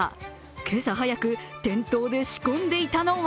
今朝早く店頭で仕込んでいたのは